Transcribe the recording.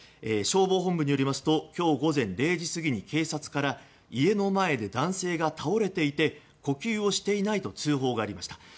消防本部によりますと今日午前０時過ぎに警察から、家の前で男性が倒れていて呼吸をしていないと通報がありました。